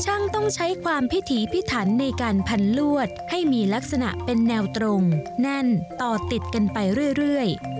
ต้องใช้ความพิถีพิถันในการพันลวดให้มีลักษณะเป็นแนวตรงแน่นต่อติดกันไปเรื่อย